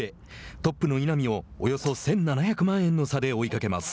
トップの稲見をおよそ１７００万円の差で追いかけます。